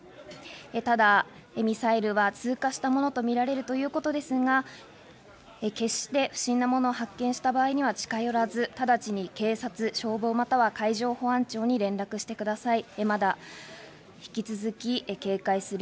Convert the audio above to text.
ただ、ミサイルは通過したものとみられるということですが、決して不審なものを発見した場合には近寄らず、直ちに警察、消防、または海上保安庁に連絡してください。